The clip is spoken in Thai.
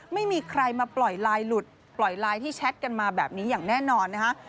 ไม่มีใครมาปล่อยไลน์หลุดปล่อยไลน์ที่แชทกันมาแบบนี้อย่างแน่นอนนะคะ